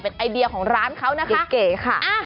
เป็นไอเดียของร้านเขานะคะ